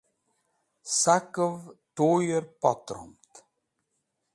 Sakẽv tuyẽr potromed.